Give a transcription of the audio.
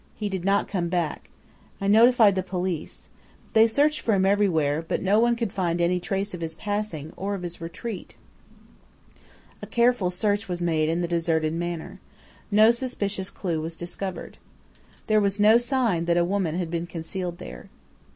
He did not come back. I notified the police. They searched for him everywhere, but no one could find any trace of his passing or of his retreat. "A careful search was made in the deserted manor. No suspicious clue was discovered. "There was no sign that a woman had been concealed there.